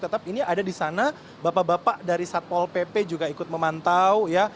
tetap ini ada di sana bapak bapak dari satpol pp juga ikut memantau ya